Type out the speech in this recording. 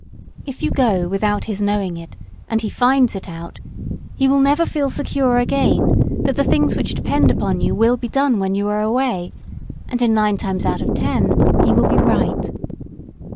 If you go without his knowing it, and he finds it out, he never will feel secure again that the things which depend upon you will be done when you are away, and in nine cases out of ten he will be right.